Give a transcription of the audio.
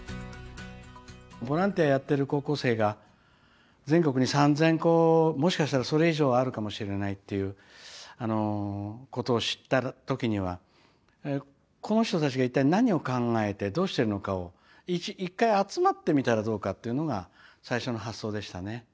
ボランティアをやっている高校生が全国に３，０００校もしかしたらそれ以上あるかもしれないっていうことを知った時にはこの人たちが一体何を考えてどうしてるのかを一回集まってみたらどうかっていうのが最初の発想でしたね。